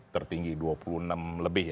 tertinggi dua puluh enam lebih